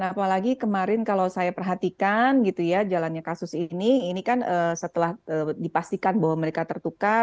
apalagi kemarin kalau saya perhatikan gitu ya jalannya kasus ini ini kan setelah dipastikan bahwa mereka tertukar